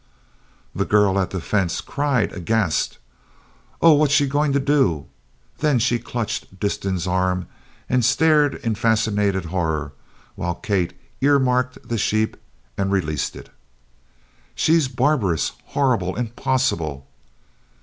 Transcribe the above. The girl at the fence cried aghast: "Oh, what's she going to do?" Then she clutched Disston's arm and stared in fascinated horror while Kate ear marked the sheep and released it. "She's barbarous horrible impossible!"